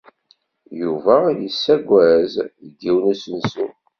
Yuba yessaggez deg yiwen n usensu.